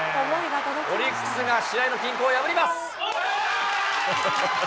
オリックスが試合の均衡を破ります。